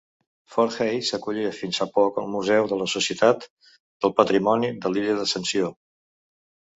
Fort Hayes acollia fins fa poc el museu de la Societat del Patrimoni de l'illa d'Ascensió.